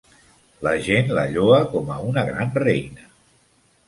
La gent la lloa com a una gran reina.